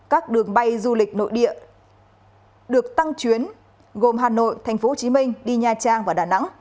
các đường bay du lịch nội địa được tăng chuyến gồm hà nội tp hcm đi nha trang và đà nẵng